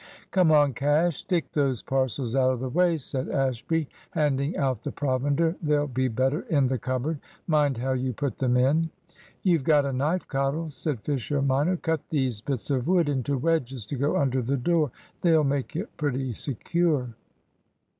"Come on, Cash; stick these parcels out of the way," said Ashby, handing out the provender; "they'll be better in the cupboard. Mind how you put them in." "You've got a knife, Cottle," said Fisher minor. "Cut these bits of wood into wedges to go under the door. They'll make it pretty secure."